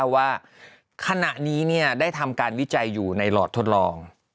ว่าขณะนี้ได้ทำการวิจัยอยู่ในหลอดทดลอง